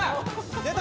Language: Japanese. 出た！